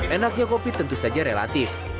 enaknya kopi tentu saja relatif